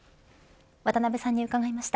渡辺さんに伺いました。